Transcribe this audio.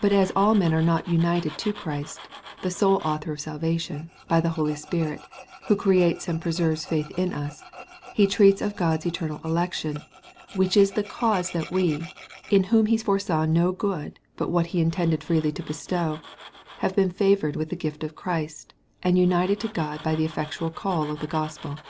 But as all men are not united to Christ, the sole Author of salvation, by the Holy Spirit, who creates and preserves faith in us, he treats of God's eternal election; which is the cause that we, in whom he foresaw no good but what he intended freely to bestow, have been favored with the gift of Christ, and united to God by the effectual call of the Gospel.